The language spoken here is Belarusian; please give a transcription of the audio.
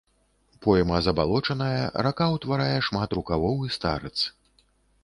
Пойма забалочаная, рака ўтварае шмат рукавоў і старыц.